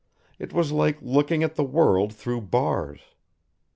It was like looking at the world through bars.